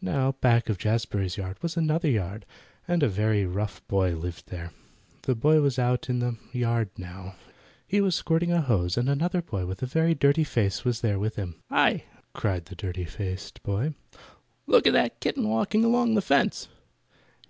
Now back of Jazbury's yard was another yard, and a very rough boy lived there. The boy was out in the yard now. He was squirting a hose, and another boy with a very dirty face was there with him. "Hi!" cried the dirty faced boy. "Look at that kitten walking along the fence."